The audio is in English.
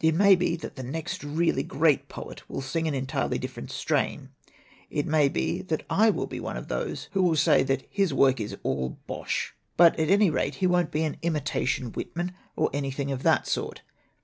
It may be that the next really great poet will sing an entirely differ ent strain; it may be that I will be one of those who will say that his work is all bosh. "But at any rate, he won't be an imitation Whitman or anything of that sort.